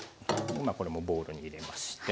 これもボウルに入れまして。